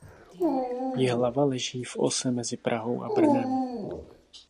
Jihlava leží v ose mezi Prahou a Brnem.